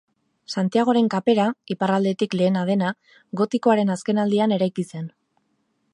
Santiagoren Kapera, iparraldetik lehena dena, gotikoaren azken aldian eraiki zen.